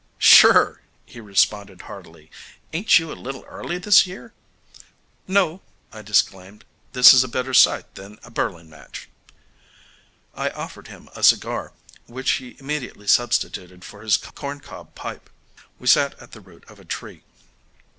"Sure," he responded heartily. "Ain't you a little early this year?" "No," I disclaimed, "this is a better sight than a birling match." I offered him a cigar, which he immediately substituted for his corn cob pipe. We sat at the root of a tree.